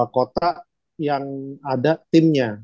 kota yang ada timnya